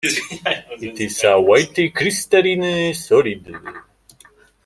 It is a white crystalline solid.